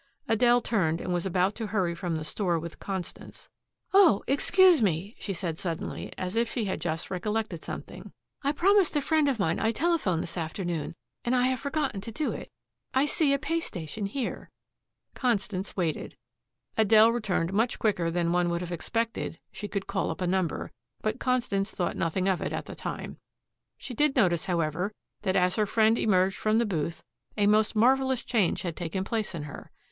Adele turned and was about to hurry from the store with Constance. "Oh, excuse me," she said suddenly as if she had just recollected something, "I promised a friend of mine I'd telephone this afternoon, and I have forgotten to do it. I see a pay station here." Constance waited. Adele returned much quicker than one would have expected she could call up a number, but Constance thought nothing of it at the time. She did notice, however, that as her friend emerged from the booth a most marvelous change had taken place in her.